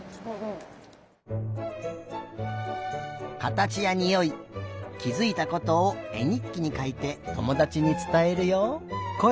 かたちやにおいきづいたことをえにっきにかいてともだちにつたえるよ。